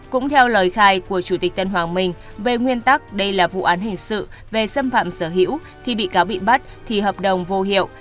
cũng theo lời khai của chủ tịch tân hoàng minh về nguyên tắc đây là vụ án hình sự về xâm phạm sở hữu khi bị cáo bị bắt thì hợp đồng vô hiệu